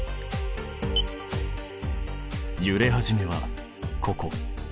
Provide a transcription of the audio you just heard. ゆれ始めはここ。